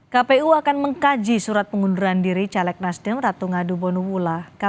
kpu akan mengkaji surat pengunduran diri caleg nasdem ratu ngadu bonubula